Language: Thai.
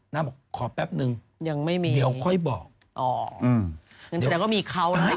น่าบอกขอแปปนึงเดี๋ยวค่อยบอก